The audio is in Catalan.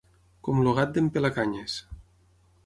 Com el gat d'en pelacanyes.